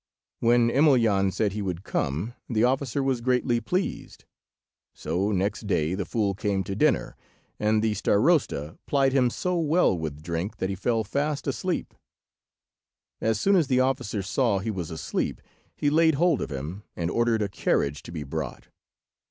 When Emelyan said he would come, the officer was greatly pleased. So next day the fool came to dinner, and the Starosta plied him so well with drink that he fell fast asleep. As soon as the officer saw he was asleep, he laid hold of him, and ordered a carriage to be brought.